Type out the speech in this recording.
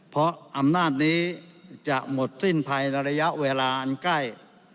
เพราะอำนาจนี้จะหมดสิ้นภายในระยะเวลาอันใกล้